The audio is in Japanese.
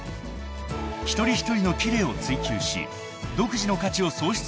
［一人一人の奇麗を追求し独自の価値を創出し続ける］